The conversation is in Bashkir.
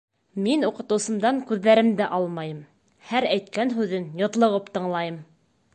Мин уҡытыусымдан күҙҙәремде алмайым, һәр әйткән һүҙен йотлоғоп тыңлайым.